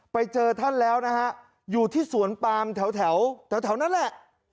ไปเจอท่านแล้วนะฮะอยู่ที่สวนปามแถวนั้นแหละ